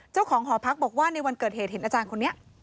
เจ้าของหอพักบอกว่าในวันเกิดเหตุเห็นอาจารย์คนนี้